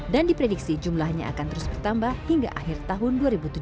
dan diprediksi jumlahnya akan terus bertambah hingga akhir tahun dua ribu tujuh belas